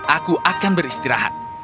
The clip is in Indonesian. aku akan beristirahat